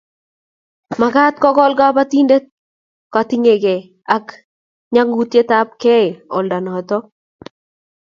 mekat ko kol kobotinde kotingei ak ng'ung'unyekab oldo noto